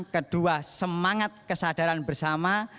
kedua semangat kesadaran bersama